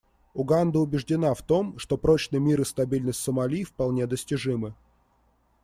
Уганда убеждена в том, что прочный мир и стабильность в Сомали вполне достижимы.